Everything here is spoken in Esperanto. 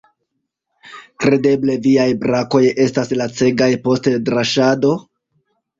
Kredeble viaj brakoj estas lacegaj post draŝado?